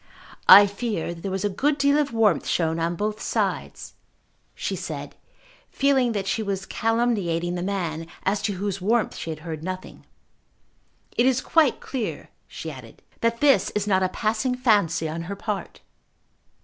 "I fear there was a good deal of warmth shown on both sides," she said, feeling that she was calumniating the man, as to whose warmth she had heard nothing. "It is quite clear," she added, "that this is not a passing fancy on her part."